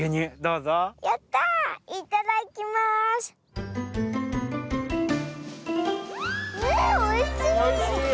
うんおいしい！